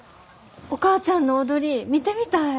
お母ちゃんの踊り見てみたい。